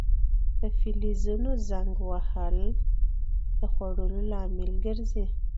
د فلزونو زنګ وهل د خوړلو لامل ګرځي.